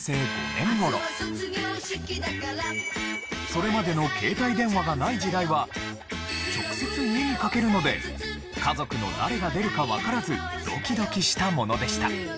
それまでの直接家にかけるので家族の誰が出るかわからずドキドキしたものでした。